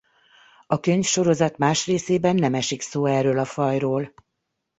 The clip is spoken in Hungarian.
A könyvsorozat más részében nem esik szó erről a fajról.